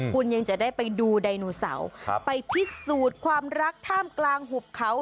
คุณยังจะได้ไปดูไดโนเสาร์ไปพิสูจน์ความรักท่ามกลางหุบเขา